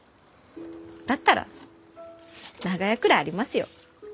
だったら長屋くらいありますよ。